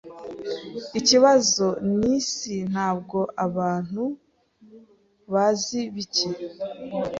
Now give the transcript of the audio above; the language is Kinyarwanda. Ikibazo nisi ntabwo abantu bazi bike,